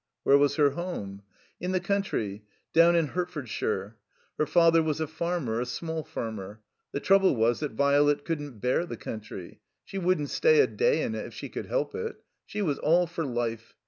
Where was her home? In the coimtry. Down in Hertfordshire. Her father was a farmer, a small farmer. The trouble was that Violet couldn't bear the coimtry. She wouldn't stay a day in it if she could help it. She was all for life.